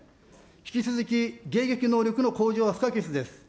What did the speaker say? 引き続き迎撃能力の向上は不可欠です。